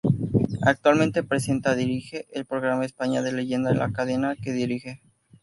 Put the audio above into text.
Actualmente presenta y dirige el programa "España de Leyenda", en la cadena que dirige.